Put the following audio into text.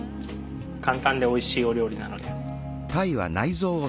簡単でおいしいお料理なので。